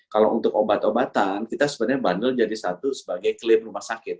kalau untuk obat obatan kita sebenarnya bandel jadi satu sebagai klaim rumah sakit